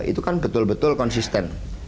itu kan betul betul konsisten